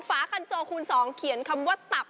คาถาที่สำหรับคุณ